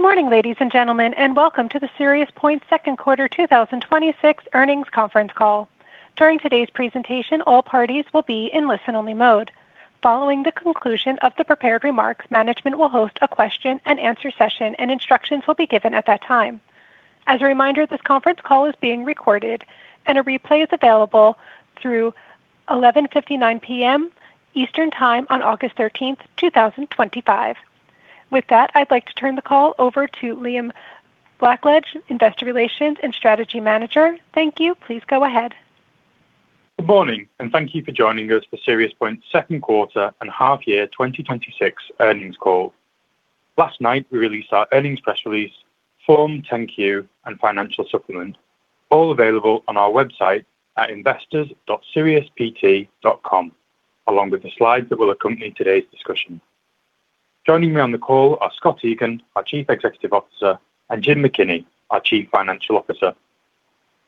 Good morning, ladies and gentlemen, welcome to the SiriusPoint second quarter 2026 earnings conference call. During today's presentation, all parties will be in listen-only mode. Following the conclusion of the prepared remarks, management will host a question and answer session and instructions will be given at that time. As a reminder, this conference call is being recorded, and a replay is available through 11:59 P.M. Eastern Time on August 13th, 2025. With that, I'd like to turn the call over to Liam Blackledge, Investor Relations and Strategy Manager. Thank you. Please go ahead. Good morning, thank you for joining us for SiriusPoint's second quarter and half year 2026 earnings call. Last night, we released our earnings press release, Form 10-Q, and financial supplement, all available on our website at investors.siriuspt.com, along with the slides that will accompany today's discussion. Joining me on the call are Scott Egan, our Chief Executive Officer, and Jim McKinney, our Chief Financial Officer.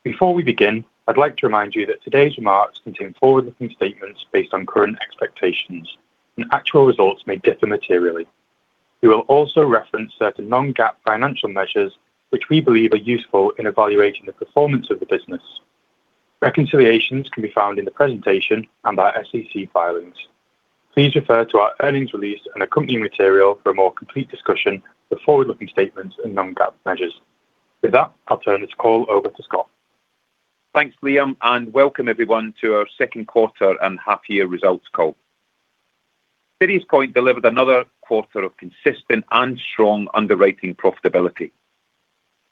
Before we begin, I'd like to remind you that today's remarks contain forward-looking statements based on current expectations and actual results may differ materially. We will also reference certain non-GAAP financial measures, which we believe are useful in evaluating the performance of the business. Reconciliations can be found in the presentation and our SEC filings. Please refer to our earnings release and accompanying material for a more complete discussion of the forward-looking statements and non-GAAP measures. With that, I'll turn this call over to Scott. Thanks, Liam, welcome everyone to our second quarter and half year results call. SiriusPoint delivered another quarter of consistent and strong underwriting profitability.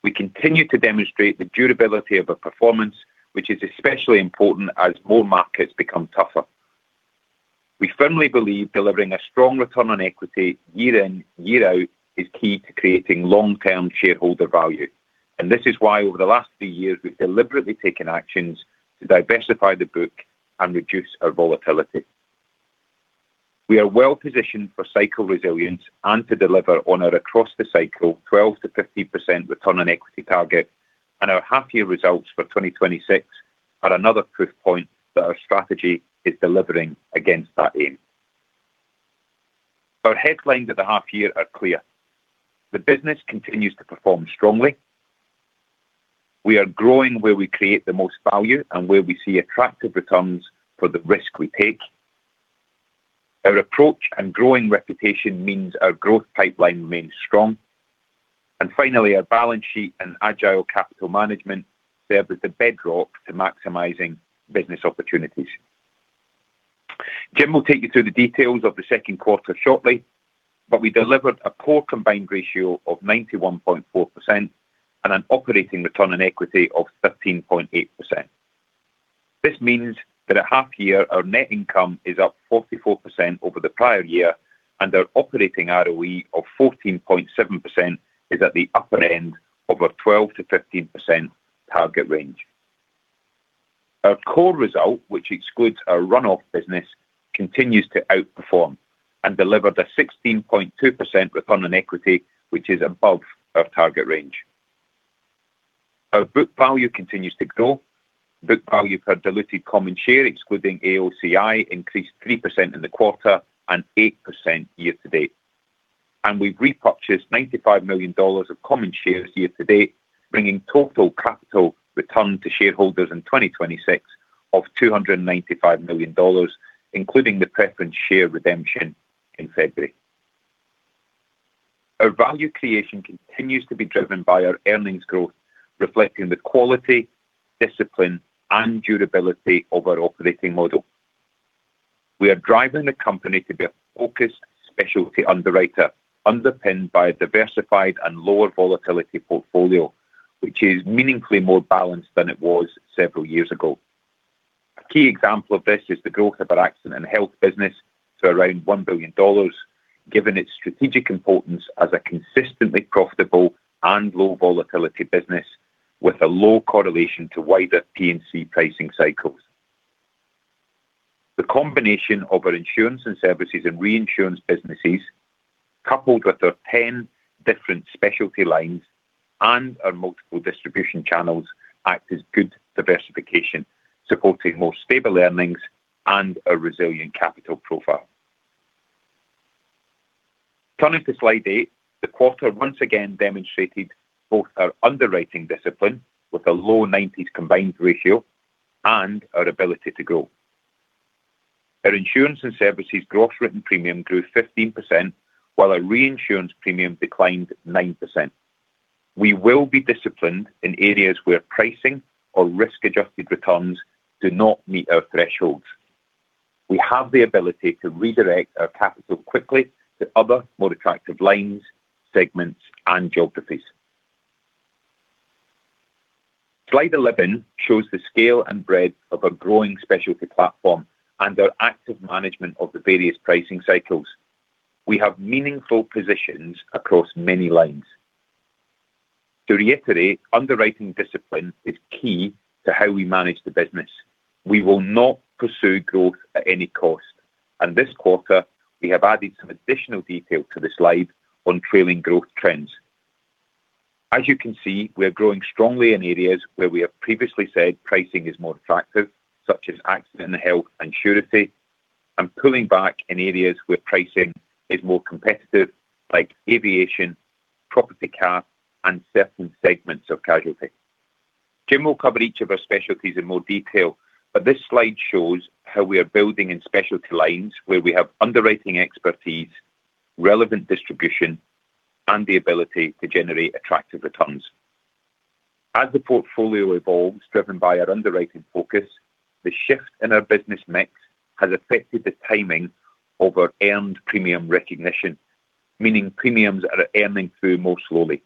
We continue to demonstrate the durability of our performance, which is especially important as more markets become tougher. We firmly believe delivering a strong return on equity year in, year out is key to creating long-term shareholder value. This is why, over the last three years, we've deliberately taken actions to diversify the book and reduce our volatility. We are well positioned for cycle resilience and to deliver on our across the cycle 12%-15% return on equity target, our half year results for 2026 are another proof point that our strategy is delivering against that aim. Our headlines at the half year are clear. The business continues to perform strongly. We are growing where we create the most value and where we see attractive returns for the risk we take. Our approach and growing reputation means our growth pipeline remains strong. Finally, our balance sheet and agile capital management serve as the bedrock to maximizing business opportunities. Jim will take you through the details of the second quarter shortly. We delivered a core combined ratio of 91.4% and an operating return on equity of 13.8%. This means that at half year our net income is up 44% over the prior year, and our operating ROE of 14.7% is at the upper end of our 12%-15% target range. Our core result, which excludes our run-off business, continues to outperform and delivered a 16.2% return on equity, which is above our target range. Our book value continues to grow. Book value per diluted common share, excluding AOCI, increased 3% in the quarter and 8% year-to-date. We've repurchased $95 million of common shares year-to-date, bringing total capital return to shareholders in 2026 of $295 million, including the preference share redemption in February. Our value creation continues to be driven by our earnings growth, reflecting the quality, discipline, and durability of our operating model. We are driving the company to be a focused specialty underwriter, underpinned by a diversified and lower volatility portfolio, which is meaningfully more balanced than it was several years ago. A key example of this is the growth of our Accident and Health business to around $1 billion, given its strategic importance as a consistently profitable and low volatility business with a low correlation to wider P&C pricing cycles. The combination of our insurance and services and reinsurance businesses, coupled with our 10 different specialty lines and our multiple distribution channels, act as good diversification, supporting more stable earnings and a resilient capital profile. Turning to slide eight. The quarter once again demonstrated both our underwriting discipline with a low nineties combined ratio and our ability to grow. Our insurance and services gross written premium grew 15%, while our reinsurance premium declined 9%. We will be disciplined in areas where pricing or risk-adjusted returns do not meet our thresholds. We have the ability to redirect our capital quickly to other, more attractive lines, segments, and geographies. Slide 11 shows the scale and breadth of our growing specialty platform and our active management of the various pricing cycles. We have meaningful positions across many lines. To reiterate, underwriting discipline is key to how we manage the business. We will not pursue growth at any cost. This quarter, we have added some additional detail to the slide on trailing growth trends. As you can see, we are growing strongly in areas where we have previously said pricing is more attractive, such as Accident and Health and surety, and pulling back in areas where pricing is more competitive, like aviation, property cat, and certain segments of casualty. Jim will cover each of our specialties in more detail, but this slide shows how we are building in specialty lines where we have underwriting expertise, relevant distribution, and the ability to generate attractive returns. As the portfolio evolves, driven by our underwriting focus, the shift in our business mix has affected the timing of our earned premium recognition, meaning premiums are earning through more slowly.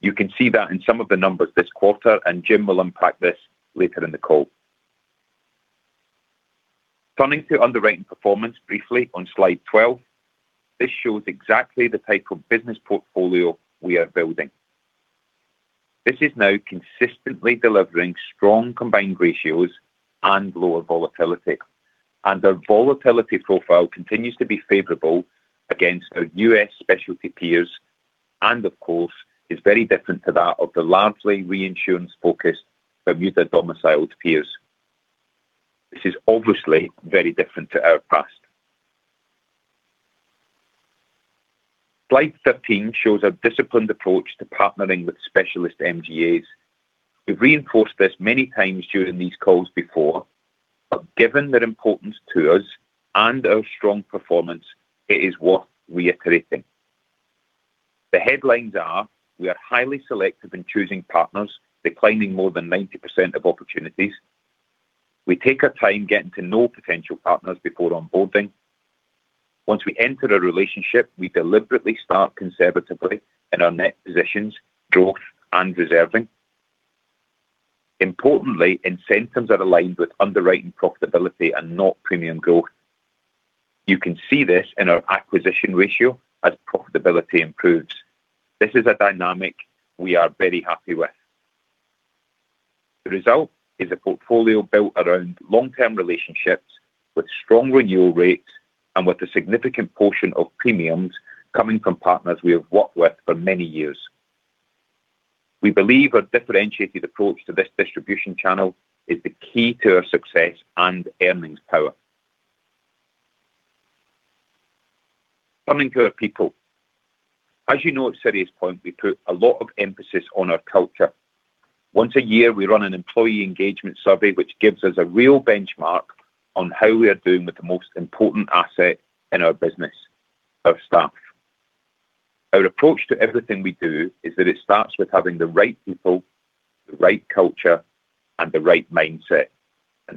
You can see that in some of the numbers this quarter, Jim will unpack this later in the call. Turning to underwriting performance briefly on slide 12, this shows exactly the type of business portfolio we are building. This is now consistently delivering strong combined ratios and lower volatility, our volatility profile continues to be favorable against our U.S. specialty peers and, of course, is very different to that of the largely reinsurance-focused Bermuda-domiciled peers. This is obviously very different to our past. Slide 13 shows a disciplined approach to partnering with specialist MGAs. We've reinforced this many times during these calls before, but given their importance to us and our strong performance, it is worth reiterating. The headlines are we are highly selective in choosing partners, declining more than 90% of opportunities. We take our time getting to know potential partners before onboarding. Once we enter a relationship, we deliberately start conservatively in our net positions, growth, and reserving. Importantly, incentives are aligned with underwriting profitability and not premium growth. You can see this in our acquisition ratio as profitability improves. This is a dynamic we are very happy with. The result is a portfolio built around long-term relationships with strong renewal rates and with a significant portion of premiums coming from partners we have worked with for many years. We believe our differentiated approach to this distribution channel is the key to our success and earnings power. Turning to our people. As you know, at SiriusPoint, we put a lot of emphasis on our culture. Once a year, we run an employee engagement survey, which gives us a real benchmark on how we are doing with the most important asset in our business, our staff. Our approach to everything we do is that it starts with having the right people, the right culture, and the right mindset.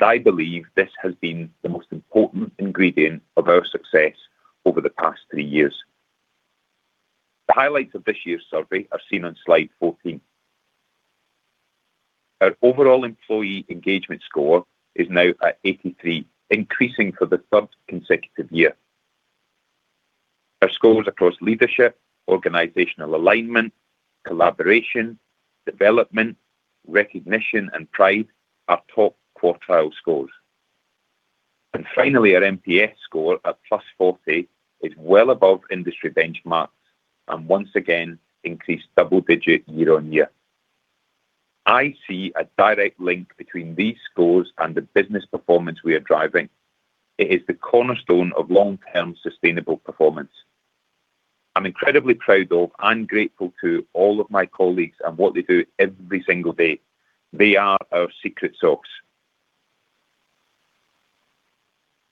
I believe this has been the most important ingredient of our success over the past three years. The highlights of this year's survey are seen on slide 14. Our overall employee engagement score is now at 83, increasing for the third consecutive year. Our scores across leadership, organizational alignment, collaboration, development, recognition, and pride are top quartile scores. Finally, our NPS score at +40 is well above industry benchmarks and once again increased double-digit year-on-year. I see a direct link between these scores and the business performance we are driving. It is the cornerstone of long-term sustainable performance. I'm incredibly proud of and grateful to all of my colleagues and what they do every single day. They are our secret sauce.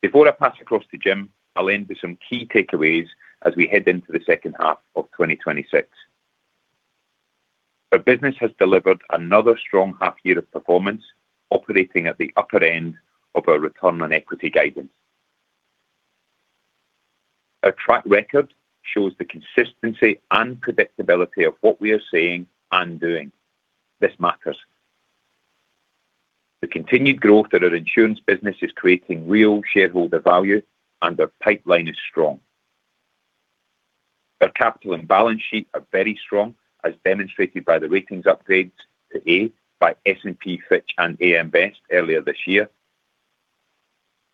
Before I pass across to Jim, I'll end with some key takeaways as we head into the second half of 2026. Our business has delivered another strong half year of performance, operating at the upper end of our return on equity guidance. Our track record shows the consistency and predictability of what we are saying and doing. This matters. The continued growth of our insurance business is creating real shareholder value, our pipeline is strong. Our capital and balance sheet are very strong, as demonstrated by the ratings upgrades to A by S&P, Fitch and AM Best earlier this year.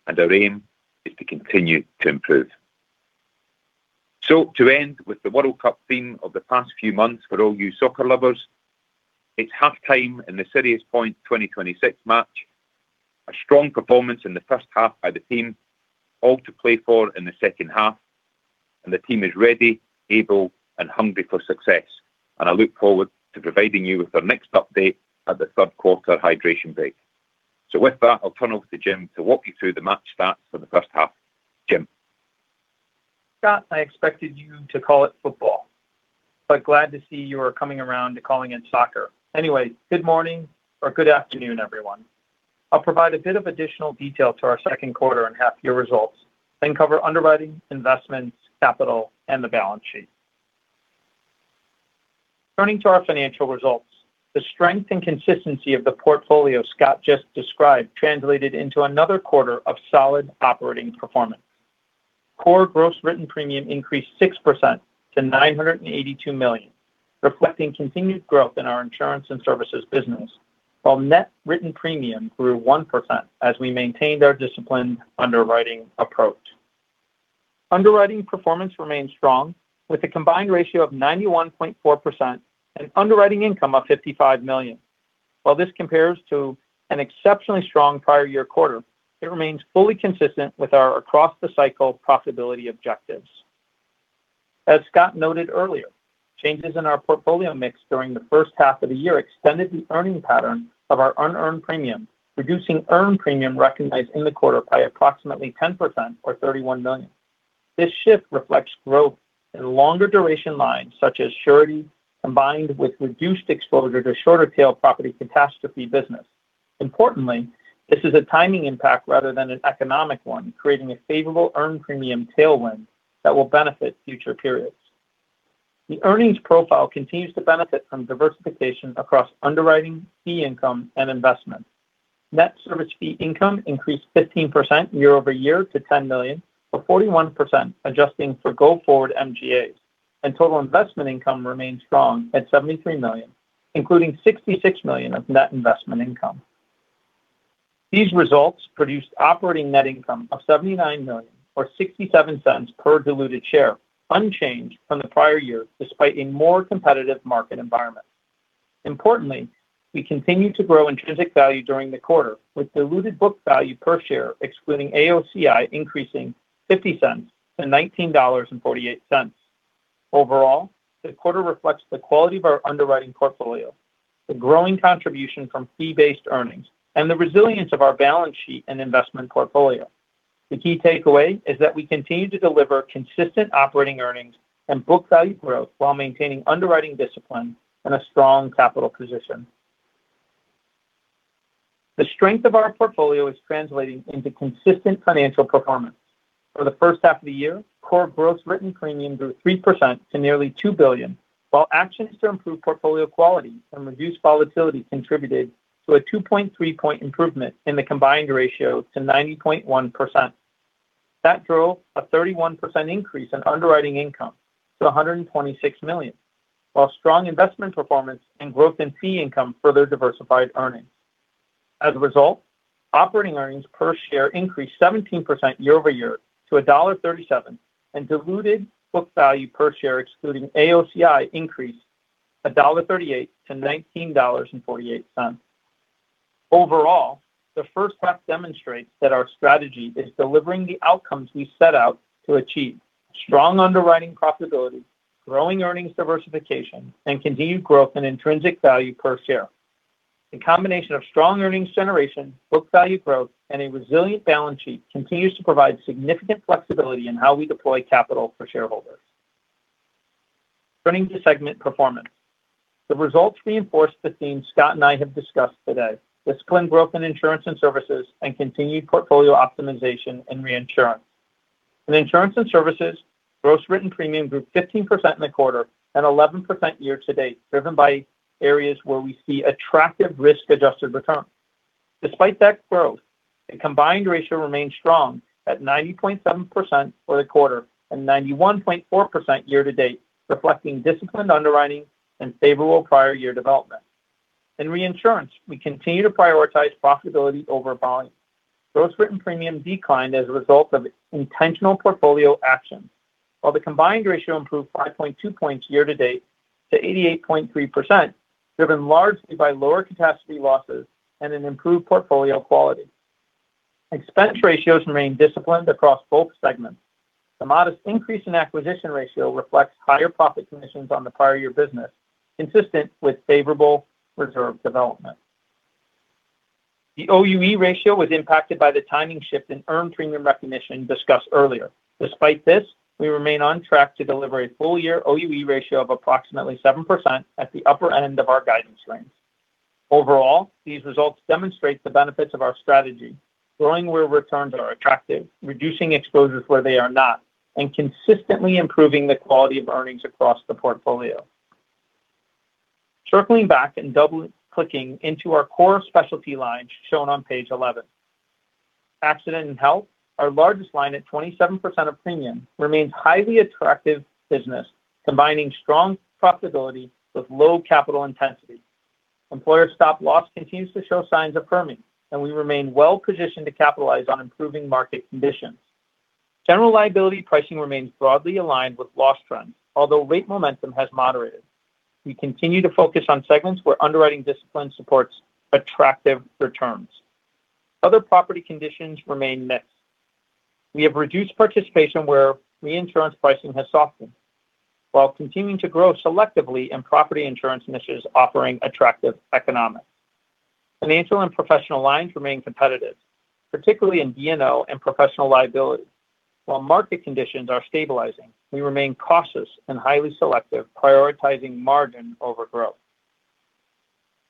Our aim is to continue to improve. To end with the World Cup theme of the past few months, for all you soccer lovers, it's halftime in the SiriusPoint 2026 match. A strong performance in the first half by the team, all to play for in the second half, the team is ready, able and hungry for success. I look forward to providing you with our next update at the third quarter hydration break. With that, I'll turn over to Jim to walk you through the match stats for the first half. Jim. Scott, I expected you to call it football, glad to see you are coming around to calling it soccer. Good morning or good afternoon, everyone. I'll provide a bit of additional detail to our second quarter and half year results, cover underwriting, investments, capital and the balance sheet. Turning to our financial results, the strength and consistency of the portfolio Scott just described translated into another quarter of solid operating performance. Core gross written premium increased 6% to $982 million, reflecting continued growth in our insurance and services business, while net written premium grew 1% as we maintained our disciplined underwriting approach. Underwriting performance remains strong with a combined ratio of 91.4% and underwriting income of $55 million. While this compares to an exceptionally strong prior year quarter, it remains fully consistent with our across the cycle profitability objectives. As Scott noted earlier, changes in our portfolio mix during the first half of the year extended the earning pattern of our unearned premium, reducing earned premium recognized in the quarter by approximately 10% or $31 million. This shift reflects growth in longer duration lines such as surety, combined with reduced exposure to shorter tail property catastrophe business. Importantly, this is a timing impact rather than an economic one, creating a favorable earned premium tailwind that will benefit future periods. The earnings profile continues to benefit from diversification across underwriting, fee income, and investment. Net service fee income increased 15% year-over-year to $10 million, or 41% adjusting for go forward MGAs. Total investment income remained strong at $73 million, including $66 million of net investment income. These results produced operating net income of $79 million or $0.67 per diluted share, unchanged from the prior year despite a more competitive market environment. Importantly, we continue to grow intrinsic value during the quarter with diluted book value per share excluding AOCI increasing $0.50- $19.48. Overall, the quarter reflects the quality of our underwriting portfolio, the growing contribution from fee-based earnings, and the resilience of our balance sheet and investment portfolio. The key takeaway is that we continue to deliver consistent operating earnings and book value growth while maintaining underwriting discipline and a strong capital position. The strength of our portfolio is translating into consistent financial performance. For the first half of the year, core gross written premium grew 3% to nearly $2 billion, while actions to improve portfolio quality and reduce volatility contributed to a 2.3 point improvement in the combined ratio to 90.1%. That drove a 31% increase in underwriting income to $126 million, while strong investment performance and growth in fee income further diversified earnings. As a result, operating earnings per share increased 17% year-over-year to $1.37, and diluted book value per share excluding AOCI increased $1.38-$19.48. Overall, the first half demonstrates that our strategy is delivering the outcomes we set out to achieve. Strong underwriting profitability, growing earnings diversification, and continued growth in intrinsic value per share. The combination of strong earnings generation, book value growth, and a resilient balance sheet continues to provide significant flexibility in how we deploy capital for shareholders. Turning to segment performance. The results reinforce the themes Scott and I have discussed today. Disciplined growth in Insurance and Services and continued portfolio optimization and Reinsurance. In Insurance and Services, gross written premium grew 15% in the quarter and 11% year-to-date, driven by areas where we see attractive risk-adjusted returns. Despite that growth, the combined ratio remains strong at 90.7% for the quarter and 91.4% year-to-date, reflecting disciplined underwriting and favorable prior year development. In Reinsurance, we continue to prioritize profitability over volume. Gross written premium declined as a result of intentional portfolio actions. While the combined ratio improved 5.2 points year-to-date to 88.3%, driven largely by lower catastrophe losses and an improved portfolio quality. Expense ratios remain disciplined across both segments. The modest increase in acquisition ratio reflects higher profit commissions on the prior year business, consistent with favorable reserve development. The OUE ratio was impacted by the timing shift in earned premium recognition discussed earlier. Despite this, we remain on track to deliver a full year OUE ratio of approximately 7% at the upper end of our guidance range. Overall, these results demonstrate the benefits of our strategy, growing where returns are attractive, reducing exposures where they are not, and consistently improving the quality of earnings across the portfolio. Circling back and double clicking into our core specialty lines shown on page eleven. Accident and Health, our largest line at 27% of premium, remains highly attractive business, combining strong profitability with low capital intensity. Employer stop loss continues to show signs of firming, and we remain well positioned to capitalize on improving market conditions. General liability pricing remains broadly aligned with loss trends, although rate momentum has moderated. We continue to focus on segments where underwriting discipline supports attractive returns. Other property conditions remain mixed. We have reduced participation where reinsurance pricing has softened, while continuing to grow selectively in property insurance niches offering attractive economics. Financial and professional lines remain competitive, particularly in D&O and professional liability. While market conditions are stabilizing, we remain cautious and highly selective, prioritizing margin over growth.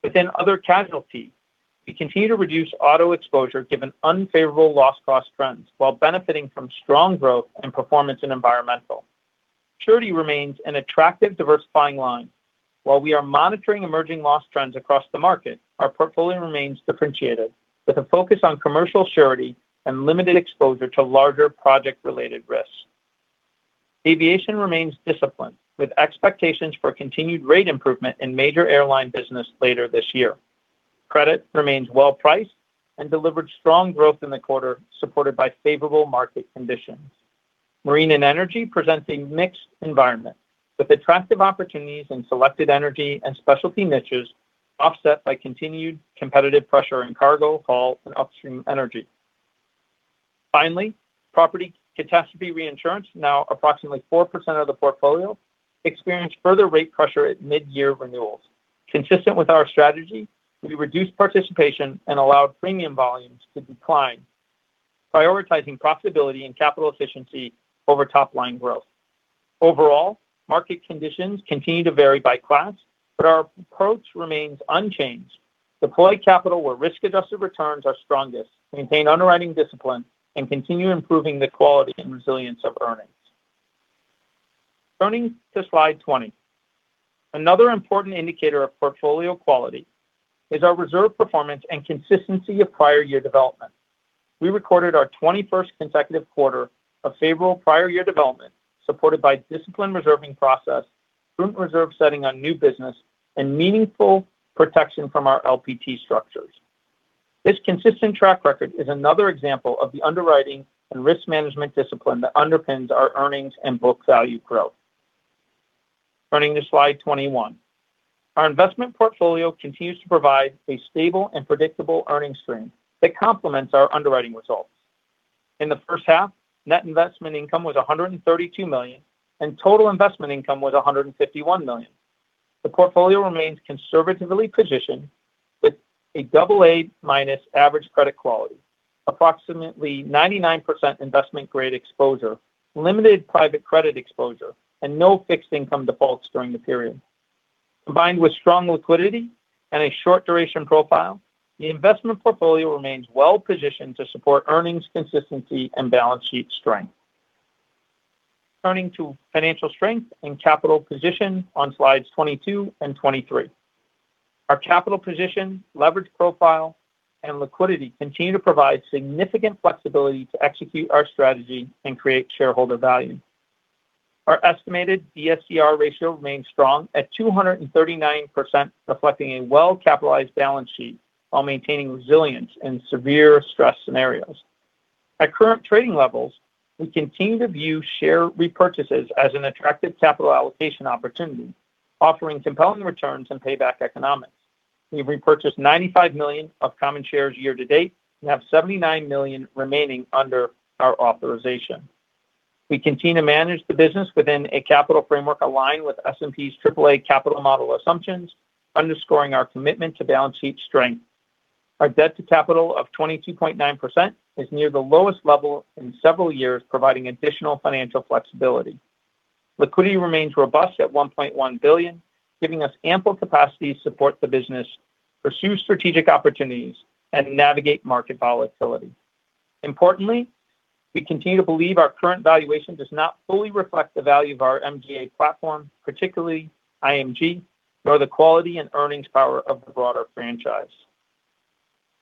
Within other casualty, we continue to reduce auto exposure given unfavorable loss cost trends, while benefiting from strong growth and performance in environmental. Surety remains an attractive diversifying line. While we are monitoring emerging loss trends across the market, our portfolio remains differentiated with a focus on commercial surety and limited exposure to larger project related risks. Aviation remains disciplined with expectations for continued rate improvement in major airline business later this year. Credit remains well priced and delivered strong growth in the quarter, supported by favorable market conditions. Marine and energy presents a mixed environment, with attractive opportunities in selected energy and specialty niches offset by continued competitive pressure in cargo, haul, and upstream energy. Finally, property catastrophe reinsurance, now approximately 4% of the portfolio, experienced further rate pressure at mid-year renewals. Consistent with our strategy, we reduced participation and allowed premium volumes to decline, prioritizing profitability and capital efficiency over top-line growth. Overall, market conditions continue to vary by class, but our approach remains unchanged. Deploy capital where risk-adjusted returns are strongest, maintain underwriting discipline, and continue improving the quality and resilience of earnings. Turning to slide 20. Another important indicator of portfolio quality is our reserve performance and consistency of prior year development. We recorded our 21st consecutive quarter of favorable prior year development, supported by disciplined reserving process, prudent reserve setting on new business, and meaningful protection from our LPT structures. This consistent track record is another example of the underwriting and risk management discipline that underpins our earnings and book value growth. Turning to slide 21. Our investment portfolio continues to provide a stable and predictable earnings stream that complements our underwriting results. In the first half, net investment income was $132 million, and total investment income was $151 million. The portfolio remains conservatively positioned with a double A minus average credit quality, approximately 99% investment-grade exposure, limited private credit exposure, and no fixed income defaults during the period. Combined with strong liquidity and a short duration profile, the investment portfolio remains well-positioned to support earnings consistency and balance sheet strength. Turning to financial strength and capital position on slides 22 and 23. Our capital position, leverage profile, and liquidity continue to provide significant flexibility to execute our strategy and create shareholder value. Our estimated BSCR ratio remains strong at 239%, reflecting a well-capitalized balance sheet while maintaining resilience in severe stress scenarios. At current trading levels, we continue to view share repurchases as an attractive capital allocation opportunity, offering compelling returns and payback economics. We've repurchased $95 million of common shares year to date and have $79 million remaining under our authorization. We continue to manage the business within a capital framework aligned with S&P's triple A capital model assumptions, underscoring our commitment to balance sheet strength. Our debt to capital of 22.9% is near the lowest level in several years, providing additional financial flexibility. Liquidity remains robust at $1.1 billion, giving us ample capacity to support the business, pursue strategic opportunities, and navigate market volatility. Importantly, we continue to believe our current valuation does not fully reflect the value of our MGA platform, particularly IMG, nor the quality and earnings power of the broader franchise.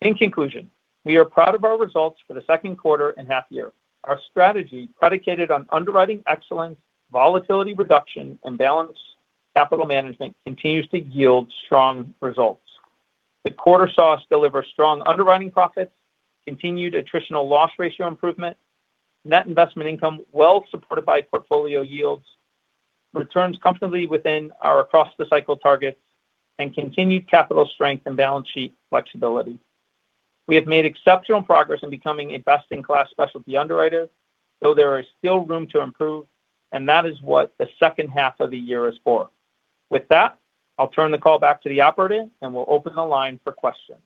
In conclusion, we are proud of our results for the second quarter and half year. Our strategy, predicated on underwriting excellence, volatility reduction, and balanced capital management, continues to yield strong results. The quarter saw us deliver strong underwriting profits, continued attritional loss ratio improvement, net investment income well supported by portfolio yields, returns comfortably within our across the cycle targets, and continued capital strength and balance sheet flexibility. We have made exceptional progress in becoming a best-in-class specialty underwriter, though there is still room to improve, and that is what the second half of the year is for. With that, I'll turn the call back to the operator and we'll open the line for questions.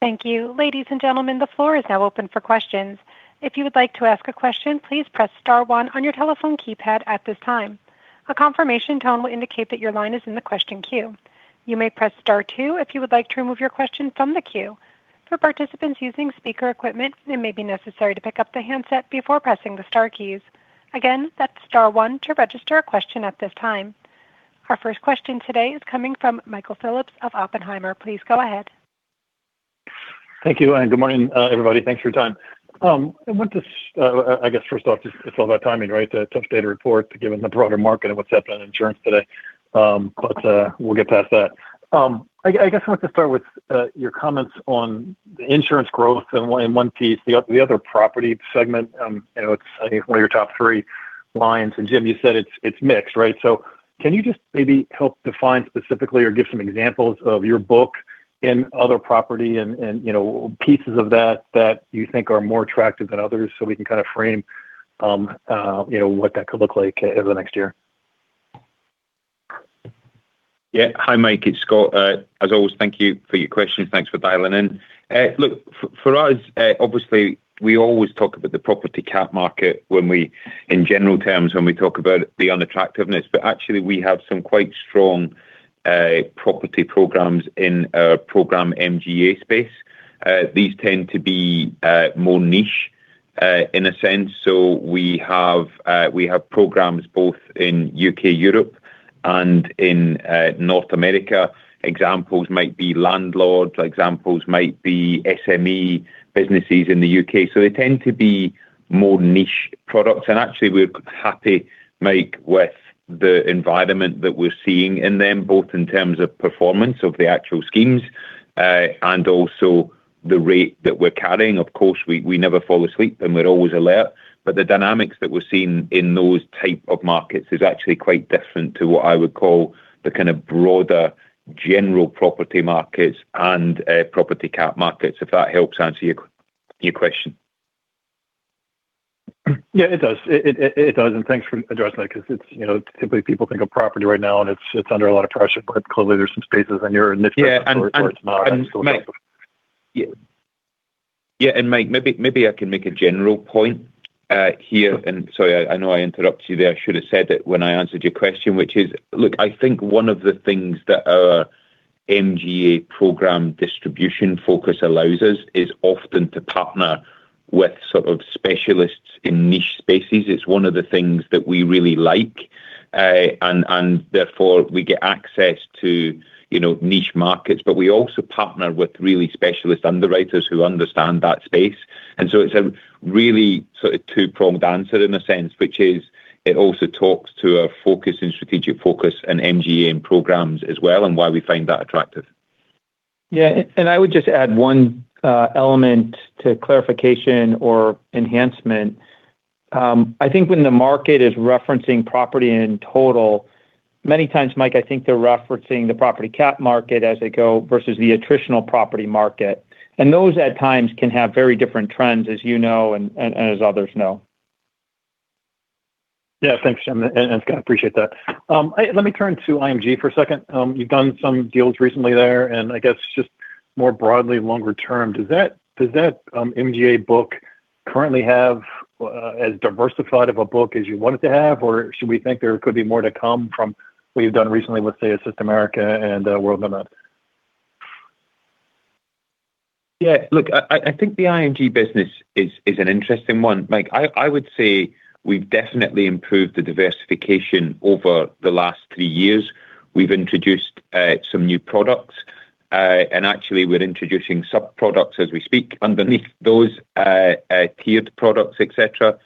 Thank you. Ladies and gentlemen, the floor is now open for questions. If you would like to ask a question, please press star one on your telephone keypad at this time. A confirmation tone will indicate that your line is in the question queue. You may press star two if you would like to remove your question from the queue. For participants using speaker equipment, it may be necessary to pick up the handset before pressing the star keys. Again, that's star one to register a question at this time. Our first question today is coming from Michael Phillips of Oppenheimer. Please go ahead. Thank you. Good morning, everybody. Thanks for your time. I guess, first off, it's all about timing, right? It's a tough day to report given the broader market and what's happened in insurance today. We'll get past that. I guess I want to start with your comments on the insurance growth in one piece. The other property segment, it's one of your top three lines. Jim, you said it's mixed, right? Can you just maybe help define specifically or give some examples of your book in other property and pieces of that that you think are more attractive than others so we can kind of frame what that could look like over the next year? Hi, Mike. It's Scott. As always, thank you for your questions. Thanks for dialing in. Look, for us, obviously, we always talk about the property cat market in general terms when we talk about the unattractiveness, but actually, we have some quite strong property programs in our program MGA space. These tend to be more niche in a sense. We have programs both in U.K., Europe in North America, examples might be landlords, examples might be SME businesses in the U.K. They tend to be more niche products. Actually, we're happy, Mike, with the environment that we're seeing in them, both in terms of performance of the actual schemes, and also the rate that we're carrying. Of course, we never fall asleep and we're always alert. The dynamics that we're seeing in those type of markets is actually quite different to what I would call the kind of broader general property markets and property cat markets, if that helps answer your question. Yeah, it does. Thanks for addressing that because typically people think of property right now, and it's under a lot of pressure, but clearly there's some spaces and you're a Yeah Where it's not. Mike, yeah. Mike, maybe I can make a general point here. Sorry, I know I interrupted you there. I should have said it when I answered your question, which is, look, I think one of the things that our MGA program distribution focus allows us is often to partner with sort of specialists in niche spaces. It's one of the things that we really like. Therefore, we get access to niche markets. We also partner with really specialist underwriters who understand that space. So it's a really sort of two-pronged answer in a sense, which is it also talks to a focus in strategic focus and MGA and programs as well and why we find that attractive. Yeah. I would just add one element to clarification or enhancement. I think when the market is referencing property in total, many times, Mike, I think they're referencing the property cat market as they go versus the attritional property market. Those at times can have very different trends as you know and as others know. Thanks, Jim and Scott. Appreciate that. Let me turn to IMG for a second. You've done some deals recently there, and I guess just more broadly longer term, does that IMG book currently have as diversified of a book as you want it to have? Or should we think there could be more to come from what you've done recently with, say, Assist America and World Nomads? Look, I think the IMG business is an interesting one, Mike. I would say we've definitely improved the diversification over the last three years. We've introduced some new products, and actually we're introducing sub-products as we speak underneath those tiered products, et cetera.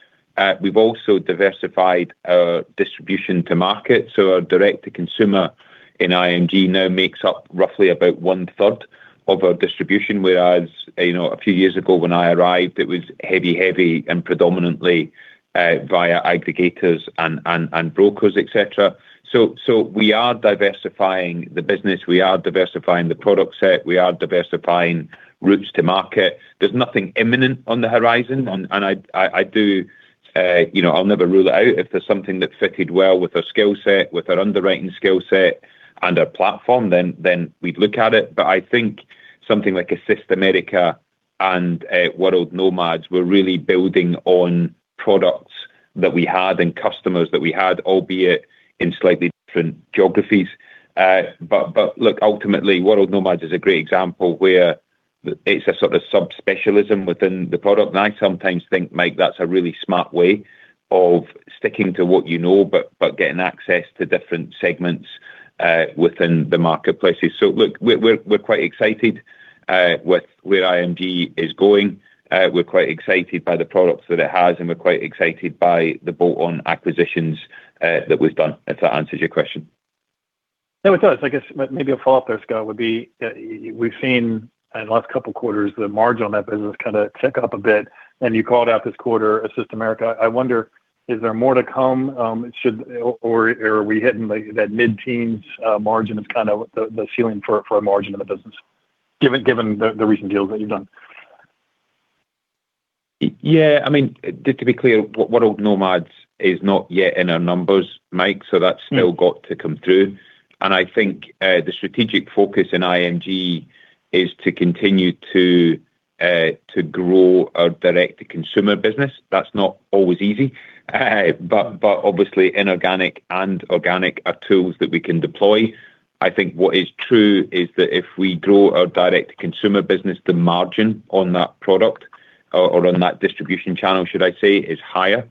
We've also diversified our distribution to market. Our direct-to-consumer in IMG now makes up roughly about one third of our distribution, whereas, a few years ago when I arrived, it was heavy and predominantly via aggregators and brokers, et cetera. We are diversifying the business. We are diversifying the product set. We are diversifying routes to market. There's nothing imminent on the horizon, and I'll never rule it out. If there's something that fitted well with our skillset, with our underwriting skillset and our platform, then we'd look at it. I think something like Assist America and World Nomads, we're really building on products that we had and customers that we had, albeit in slightly different geographies. Look, ultimately, World Nomads is a great example where it's a sort of subspecialism within the product. I sometimes think, Mike, that's a really smart way of sticking to what you know, but getting access to different segments within the marketplaces. Look, we're quite excited with where IMG is going. We're quite excited by the products that it has, and we're quite excited by the bolt-on acquisitions that we've done, if that answers your question. It does. I guess maybe a follow-up there, Scott, would be, we've seen in the last couple of quarters the margin on that business kind of tick up a bit, and you called out this quarter Assist America. I wonder, is there more to come, or are we hitting that mid-teens margin as kind of the ceiling for a margin of the business, given the recent deals that you've done? To be clear, World Nomads is not yet in our numbers, Mike, so that's still got to come through. I think, the strategic focus in IMG is to continue to grow our direct-to-consumer business. That's not always easy. Obviously, inorganic and organic are tools that we can deploy. I think what is true is that if we grow our direct-to-consumer business, the margin on that product or on that distribution channel, should I say, is higher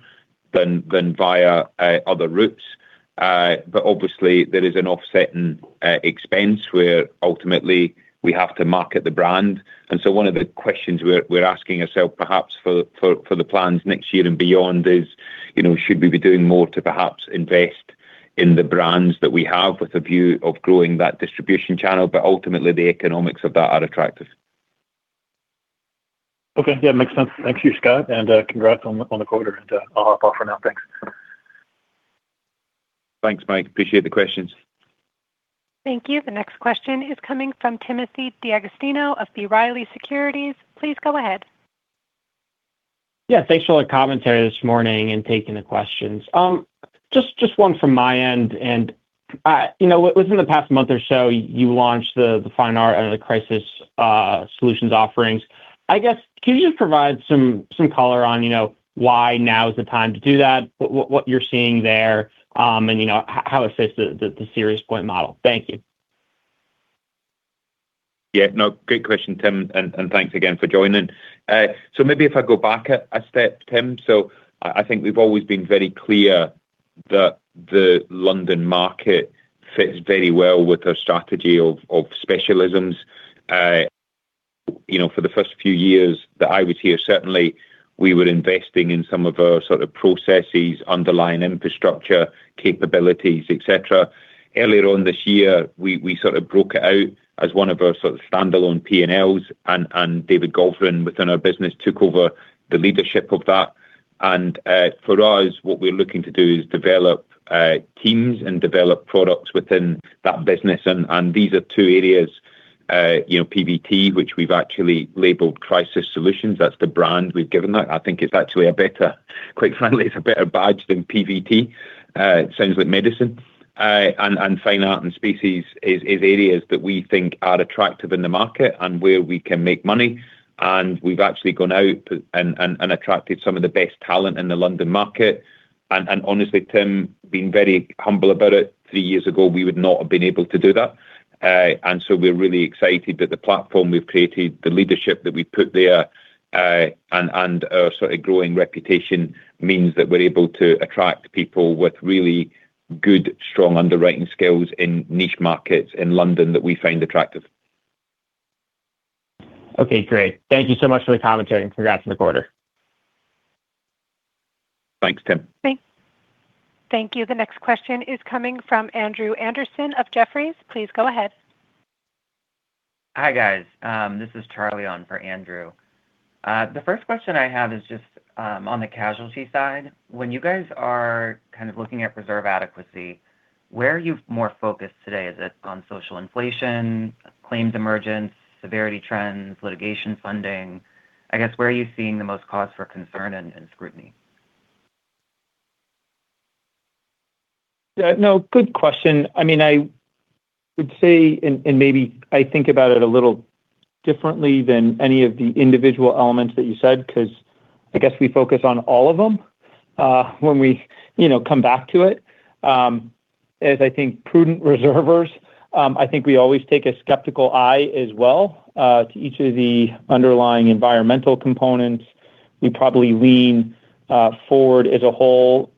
than via other routes. Obviously, there is an offsetting expense where ultimately we have to market the brand. So one of the questions we're asking ourselves perhaps for the plans next year and beyond is should we be doing more to perhaps invest in the brands that we have with a view of growing that distribution channel? Ultimately, the economics of that are attractive. Okay. Yeah, makes sense. Thank you, Scott, and congrats on the quarter. I'll hop off for now. Thanks. Thanks, Mike. Appreciate the questions. Thank you. The next question is coming from Timothy D'Agostino of B. Riley Securities. Please go ahead. Thanks for all the commentary this morning and taking the questions. Just one from my end. Within the past month or so, you launched the Fine Art out of the Crisis Solutions offerings. I guess, can you just provide some color on why now is the time to do that, what you're seeing there, and how it fits the SiriusPoint model? Thank you. Yeah. No, great question, Tim, and thanks again for joining. Maybe if I go back a step, Tim. I think we've always been very clear that the London market fits very well with our strategy of specialisms. For the first few years that I was here, certainly we were investing in some of our processes, underlying infrastructure capabilities, et cetera. Earlier on this year, we broke it out as one of our standalone P&Ls, and David Goldfinch within our business took over the leadership of that. For us, what we're looking to do is develop teams and develop products within that business. These are two areas, PVT, which we've actually labeled Crisis Solutions. That's the brand we've given that. I think it's actually, quite frankly, it's a better badge than PVT. It sounds like medicine. Fine Art and Specie is areas that we think are attractive in the market and where we can make money. We've actually gone out and attracted some of the best talent in the London market. Honestly, Tim, being very humble about it, three years ago, we would not have been able to do that. We're really excited that the platform we've created, the leadership that we put there, and our growing reputation means that we're able to attract people with really good, strong underwriting skills in niche markets in London that we find attractive. Okay, great. Thank you so much for the commentary and congrats on the quarter. Thanks, Tim. Thank you. The next question is coming from Andrew Andersen of Jefferies. Please go ahead. Hi, guys. This is Charlie on for Andrew. The first question I have is just on the casualty side. When you guys are looking at reserve adequacy, where are you more focused today? Is it on social inflation, claims emergence, severity trends, litigation funding? I guess, where are you seeing the most cause for concern and scrutiny? Yeah. No, good question. I would say, maybe I think about it a little differently than any of the individual elements that you said, because I guess we focus on all of them when we come back to it. As I think prudent reservers, I think we always take a skeptical eye as well to each of the underlying environmental components. We probably lean forward as a whole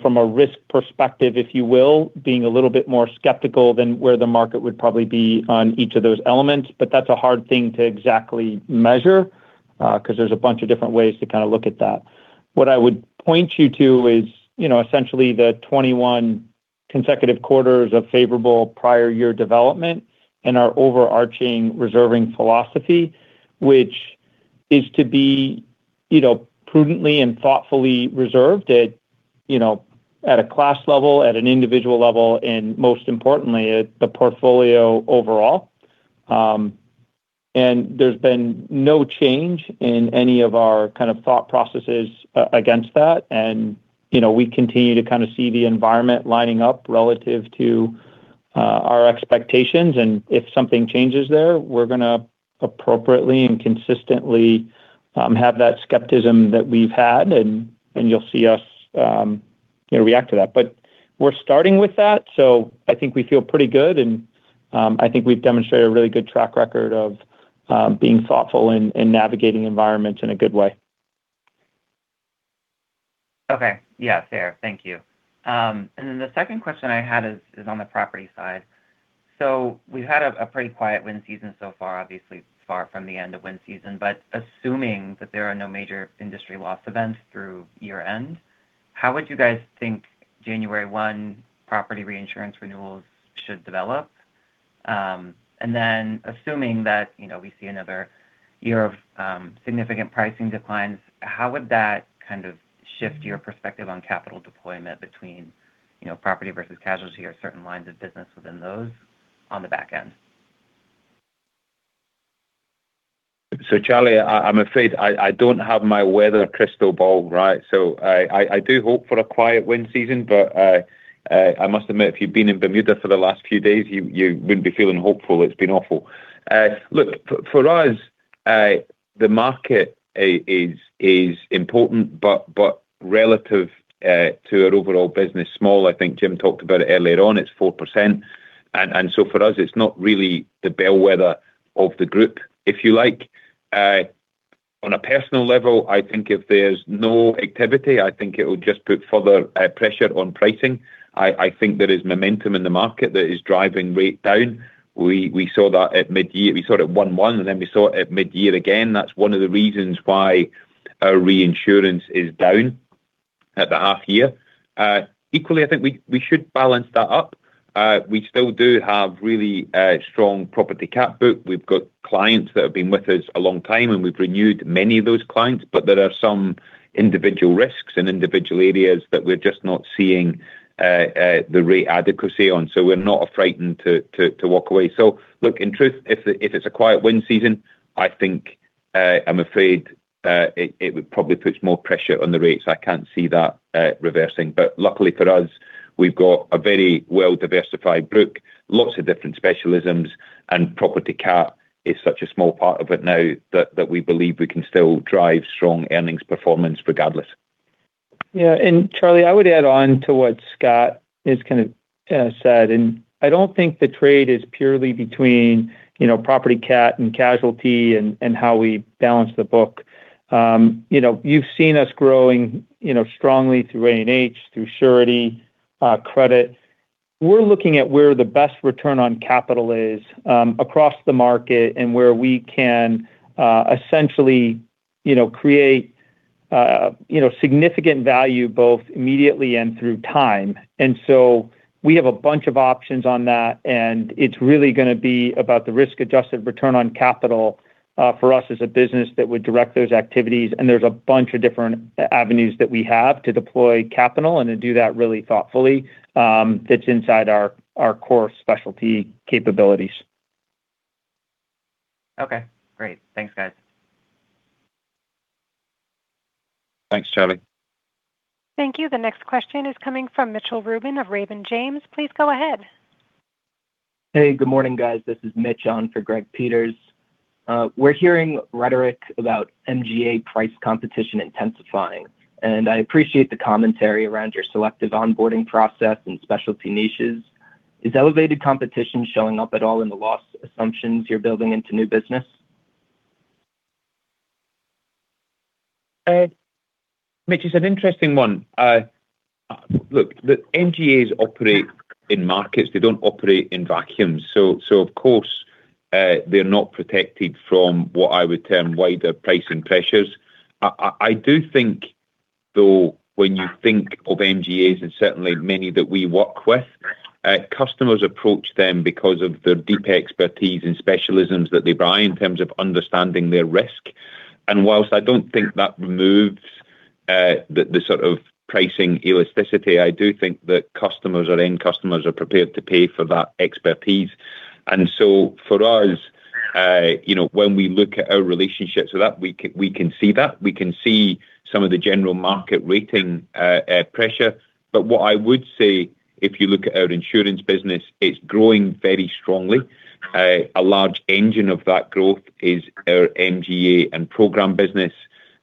from a risk perspective, if you will, being a little bit more skeptical than where the market would probably be on each of those elements. That's a hard thing to exactly measure, because there's a bunch of different ways to look at that. What I would point you to is essentially the 21 consecutive quarters of favorable prior year development and our overarching reserving philosophy, which is to be prudently and thoughtfully reserved at a class level, at an individual level, and most importantly, at the portfolio overall. There's been no change in any of our thought processes against that. We continue to see the environment lining up relative to our expectations. If something changes there, we're going to appropriately and consistently have that skepticism that we've had, and you'll see us react to that. We're starting with that, so I think we feel pretty good. I think we've demonstrated a really good track record of being thoughtful in navigating environments in a good way. Okay. Yeah, fair. Thank you. The second question I had is on the property side. We've had a pretty quiet wind season so far, obviously far from the end of wind season. Assuming that there are no major industry loss events through year-end, how would you guys think January 1 property reinsurance renewals should develop? Assuming that we see another year of significant pricing declines, how would that shift your perspective on capital deployment between property versus casualty or certain lines of business within those on the back end? Charlie, I'm afraid I don't have my weather crystal ball, right? I do hope for a quiet wind season, but I must admit, if you've been in Bermuda for the last few days, you wouldn't be feeling hopeful. It's been awful. Look, for us, the market is important, but relative to our overall business, small. I think Jim talked about it earlier on. It's 4%. For us, it's not really the bellwether of the group, if you like. On a personal level, I think if there's no activity, I think it will just put further pressure on pricing. I think there is momentum in the market that is driving rate down. We saw that at mid-year. We saw it at 1/1, we saw it at mid-year again. That's one of the reasons why our reinsurance is down at the half year. Equally, I think we should balance that up. We still do have really strong property cat book. We've got clients that have been with us a long time, we've renewed many of those clients, but there are some individual risks in individual areas that we're just not seeing the rate adequacy on. We're not frightened to walk away. In truth, if it's a quiet wind season, I think I'm afraid it probably puts more pressure on the rates. I can't see that reversing. Luckily for us, we've got a very well-diversified book, lots of different specialisms, and property cat is such a small part of it now that we believe we can still drive strong earnings performance regardless. Yeah. Charlie, I would add on to what Scott has said, and I don't think the trade is purely between property cat and casualty and how we balance the book. You've seen us growing strongly through A&H, through surety credit. We're looking at where the best return on capital is across the market and where we can essentially create significant value both immediately and through time. We have a bunch of options on that, and it's really going to be about the risk-adjusted return on capital for us as a business that would direct those activities. There's a bunch of different avenues that we have to deploy capital and to do that really thoughtfully that's inside our core specialty capabilities. Okay, great. Thanks, guys. Thanks, Charlie. Thank you. The next question is coming from Mitch Rubin of Raymond James. Please go ahead. Hey, good morning, guys. This is Mitch on for Greg Peters. We're hearing rhetoric about MGA price competition intensifying, and I appreciate the commentary around your selective onboarding process and specialty niches. Is elevated competition showing up at all in the loss assumptions you're building into new business? Mitch, it's an interesting one. Look, the MGAs operate in markets. They don't operate in vacuums. Of course, they're not protected from what I would term wider pricing pressures. I do think, though, when you think of MGAs, and certainly many that we work with, customers approach them because of their deep expertise and specialisms that they buy in terms of understanding their risk. Whilst I don't think that removes the sort of pricing elasticity, I do think that customers or end customers are prepared to pay for that expertise. For us, when we look at our relationship to that, we can see that. We can see some of the general market rating pressure. What I would say, if you look at our insurance business, it's growing very strongly. A large engine of that growth is our MGA and program business.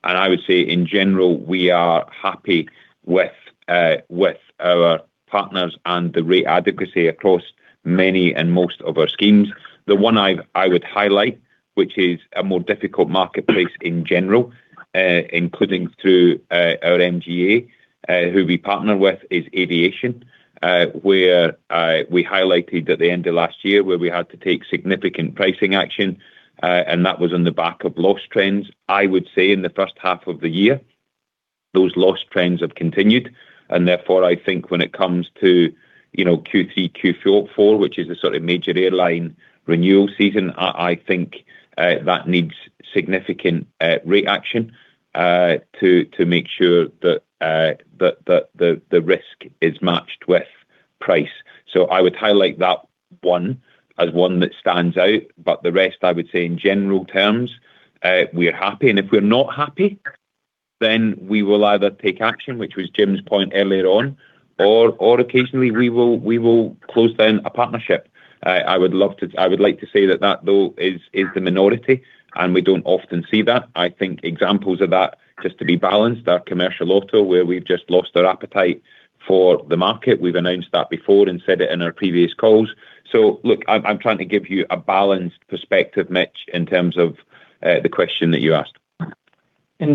I would say in general, we are happy with our partners and the rate adequacy across many and most of our schemes. The one I would highlight, which is a more difficult marketplace in general, including through our MGA who we partner with, is aviation. Where we highlighted at the end of last year where we had to take significant pricing action, and that was on the back of loss trends. I would say in the first half of the year, those loss trends have continued, and therefore, I think when it comes to Q3, Q4, which is a sort of major airline renewal season, I think that needs significant rate action to make sure that the risk is matched with price. I would highlight that one as one that stands out. The rest, I would say in general terms, we are happy. If we're not happy, then we will either take action, which was Jim's point earlier on, or occasionally we will close down a partnership. I would like to say that that, though, is the minority, and we don't often see that. I think examples of that, just to be balanced, our commercial auto, where we've just lost our appetite for the market. We've announced that before and said it in our previous calls. Look, I'm trying to give you a balanced perspective, Mitch, in terms of the question that you asked.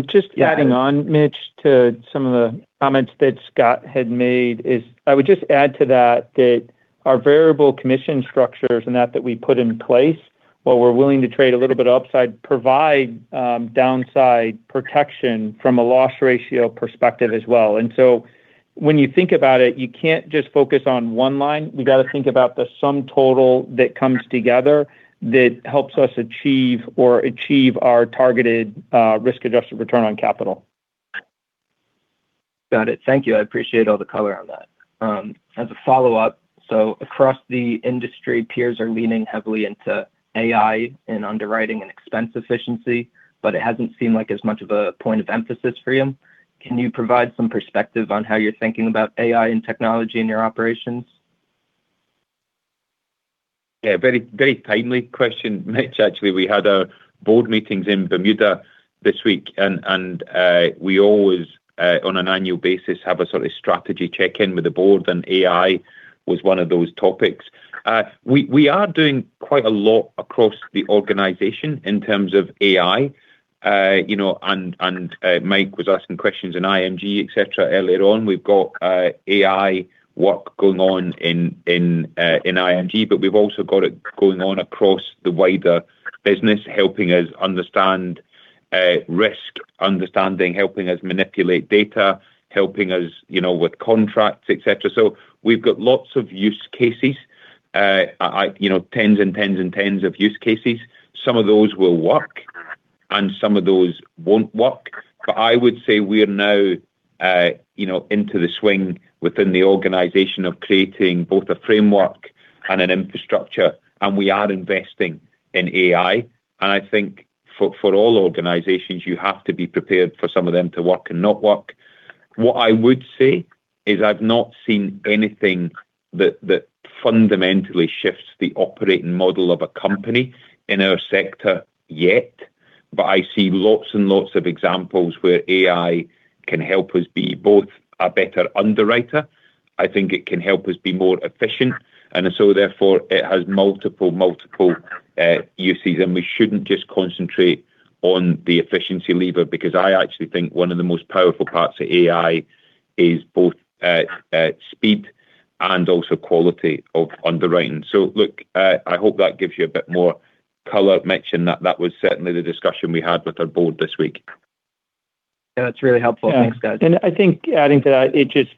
Just adding on, Mitch, to some of the comments that Scott had made is I would just add to that our variable commission structures and that we put in place, while we're willing to trade a little bit of upside, provide downside protection from a loss ratio perspective as well. When you think about it, you can't just focus on one line. You got to think about the sum total that comes together that helps us achieve our targeted risk-adjusted return on capital. Got it. Thank you. I appreciate all the color on that. As a follow-up, across the industry, peers are leaning heavily into AI in underwriting and expense efficiency, but it hasn't seemed like as much of a point of emphasis for you. Can you provide some perspective on how you're thinking about AI and technology in your operations? Very timely question, Mitch. Actually, we had our board meetings in Bermuda this week. We always, on annual basis, have a sort of strategy check-in with the board. AI was one of those topics. We are doing quite a lot across the organization in terms of AI, and Mike was asking questions in IMG, et cetera, earlier on. We've got AI work going on in IMG, but we've also got it going on across the wider business, helping us understand risk understanding, helping us manipulate data, helping us with contracts, et cetera. We've got lots of use cases. Tens and tens and tens of use cases. Some of those will work and some of those won't work. I would say we are now into the swing within the organization of creating both a framework and an infrastructure. We are investing in AI. I think for all organizations, you have to be prepared for some of them to work and not work. What I would say is I've not seen anything that fundamentally shifts the operating model of a company in our sector yet. I see lots and lots of examples where AI can help us be both a better underwriter. I think it can help us be more efficient. Therefore it has multiple uses. We shouldn't just concentrate on the efficiency lever, because I actually think one of the most powerful parts of AI is both speed and also quality of underwriting. Look, I hope that gives you a bit more color, Mitch, in that that was certainly the discussion we had with our board this week. Yeah, that's really helpful. Thanks, guys. Yeah. I think adding to that, it just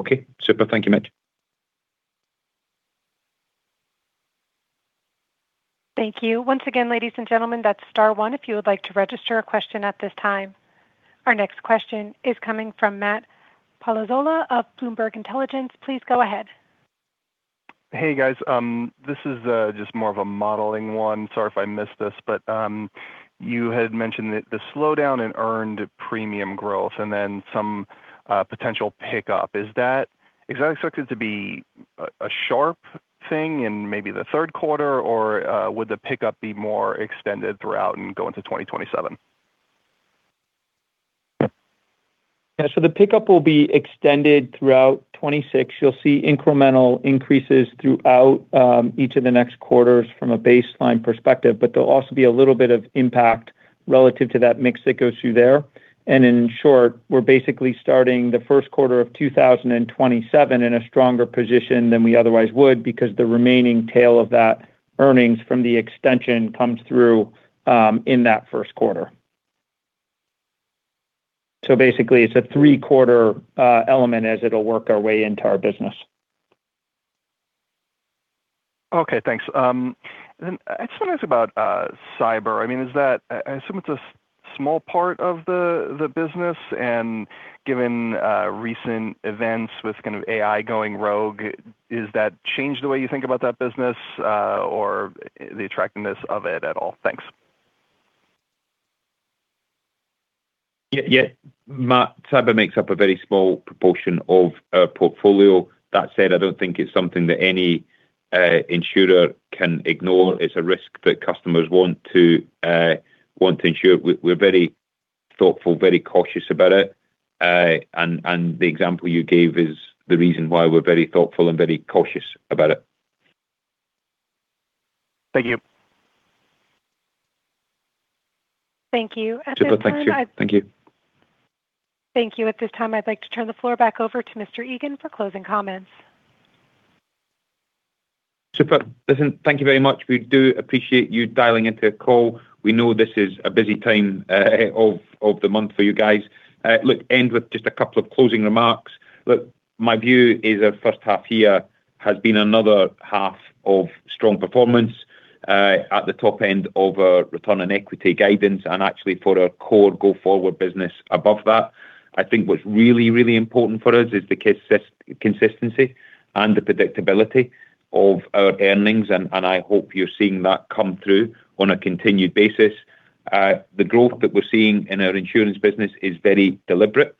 Okay. Super. Thank you, Mitch. Thank you. Once again, ladies and gentlemen, that's star one if you would like to register a question at this time. Our next question is coming from Matt Palazola of Bloomberg Intelligence. Please go ahead. Hey, guys. This is just more of a modeling one. Sorry if I missed this. You had mentioned the slowdown in earned premium growth and then some potential pickup. Is that expected to be a sharp thing in maybe the third quarter, or would the pickup be more extended throughout and go into 2027? Yeah, the pickup will be extended throughout 2026. You'll see incremental increases throughout each of the next quarters from a baseline perspective. There'll also be a little bit of impact relative to that mix that goes through there. In short, we're basically starting the first quarter of 2027 in a stronger position than we otherwise would because the remaining tail of that earnings from the extension comes through in that first quarter. Basically, it's a three-quarter element as it'll work our way into our business. Okay, thanks. I just wonder about cyber. I assume it's a small part of the business, and given recent events with kind of AI going rogue, has that changed the way you think about that business or the attractiveness of it at all? Thanks. Yeah. Matt, cyber makes up a very small proportion of our portfolio. That said, I don't think it's something that any insurer can ignore. It's a risk that customers want to insure. We're very thoughtful, very cautious about it, and the example you gave is the reason why we're very thoughtful and very cautious about it. Thank you. Thank you. At this time. Super. Thank you. Thank you. At this time, I'd like to turn the floor back over to Mr. Egan for closing comments. Super. Listen, thank you very much. We do appreciate you dialing into a call. We know this is a busy time of the month for you guys. Look, end with just a couple of closing remarks. Look, my view is our first half year has been another half of strong performance at the top end of our return on equity guidance, and actually for our core go-forward business above that. I think what's really, really important for us is the consistency and the predictability of our earnings, and I hope you're seeing that come through on a continued basis. The growth that we're seeing in our insurance business is very deliberate.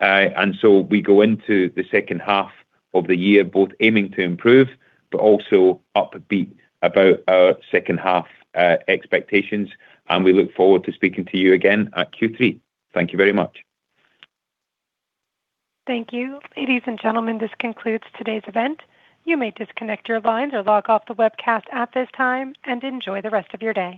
We go into the second half of the year both aiming to improve but also upbeat about our second-half expectations, and we look forward to speaking to you again at Q3. Thank you very much. Thank you. Ladies and gentlemen, this concludes today's event. You may disconnect your lines or log off the webcast at this time, and enjoy the rest of your day.